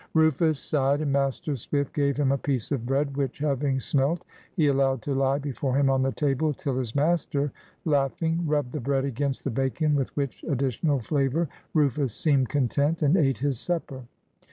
Rufus sighed, and Master Swift gave him a piece of bread, which, having smelt, he allowed to lie before him on the table till his master, laughing, rubbed the bread against the bacon, with which additional flavor Rufus seemed content, and ate his supper.